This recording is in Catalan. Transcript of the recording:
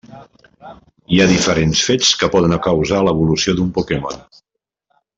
Hi ha diferents fets que poden causar l'evolució d'un Pokémon.